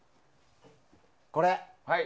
これ。